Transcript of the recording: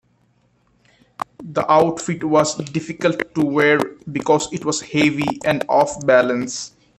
The outfit was difficult to wear because it was heavy and off-balance.